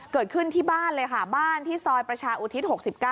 เกิดขึ้นที่บ้านเลยค่ะบ้านที่ซอยประชาอุทิศ๖๙